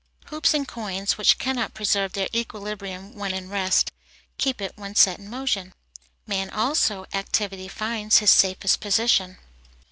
Hoops and coins, which cannot preserve their equilibrium when in rest, keep it when set in motion. Man also in activity finds his safest position.